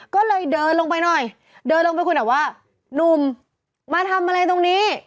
เขาบอกว่าพี่